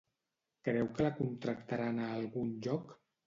Creu que la contractaran a algun lloc?